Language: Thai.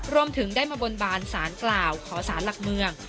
รวมถึงได้มาบนบานสารกล่าวขอสารหลักเมือง